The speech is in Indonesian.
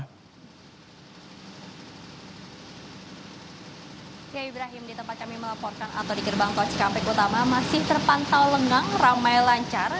ya ibrahim di tempat kami melaporkan atau di gerbang tol cikampek utama masih terpantau lengang ramai lancar